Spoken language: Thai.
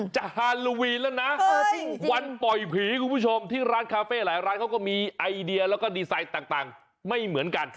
ฮาโลวีนแล้วนะวันปล่อยผีคุณผู้ชมที่ร้านคาเฟ่หลายร้านเขาก็มีไอเดียแล้วก็ดีไซน์ต่างไม่เหมือนกัน